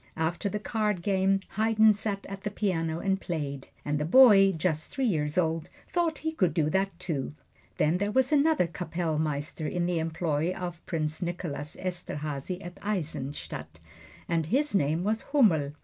After the card game Haydn sat at the piano and played, and the boy, just three years old, thought he could do that, too. Then there was another Kappellmeister in the employ of Prince Nicholas Esterhazy at Eisenstadt, and his name was Hummel.